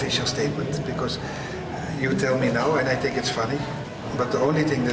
dan selama selama kompetisi yang tidak dikenal oleh afc atau fifa